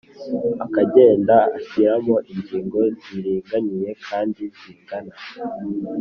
akagenda ashyiramo inkingo ziringaniye kandi zingana